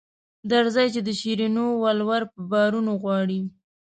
درځئ چې د شیرینو ولور په بارونو غواړي.